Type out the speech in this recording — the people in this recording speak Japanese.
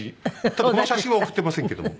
ただこの写真は送ってませんけども。